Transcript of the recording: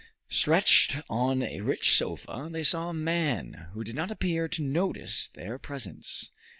Stretched on a rich sofa they saw a man, who did not appear to notice their presence.